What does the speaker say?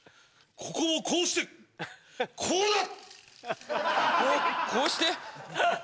ここをこうしてこうだ！